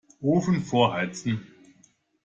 Ofen vorheizen.